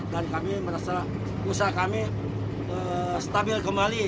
kami merasa usaha kami stabil kembali